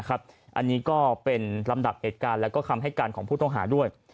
อันนี้ก็เป็นลำดับเหตุการณ์และคำให้การของผู้ต้องหาด้วย